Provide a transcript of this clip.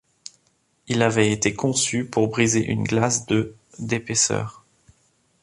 Il avait été conçu pour briser une glace de d'épaisseur.